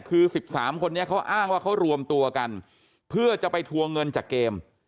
คือ๑๓คนนี้เขาอ้างว่าเขารวมตัวกันเพื่อจะไปทวงเงินจากเกม